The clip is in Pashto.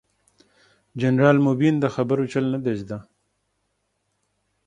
جنرال مبين ده خبرو چل نه دې زده.